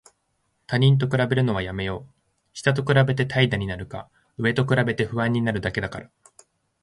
他人と比べるのはやめよう。下と比べて怠惰になるか、上と比べて不安になるだけだから。